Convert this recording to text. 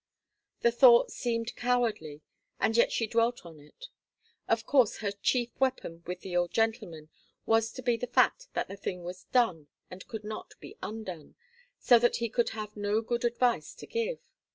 The thought seemed cowardly and yet she dwelt on it. Of course, her chief weapon with the old gentleman was to be the fact that the thing was done and could not be undone, so that he could have no good advice to give.